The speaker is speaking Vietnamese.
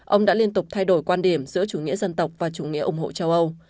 ông đã liên tục thay đổi quan điểm giữa chủ nghĩa dân tộc và chủ nghĩa ủng hộ châu âu